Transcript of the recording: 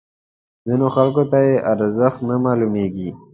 ځینو خلکو ته یې ارزښت نه معلومیږي.